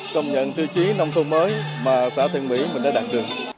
công nhận thư chí nông thôn mới mà xã thanh mỹ mình đã đạt được